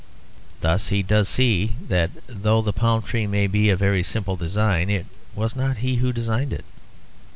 Thus he does see that though the palm tree may be a very simple design, it was not he who designed it.